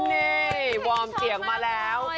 มีเวิร์นเคียงมาแล้ว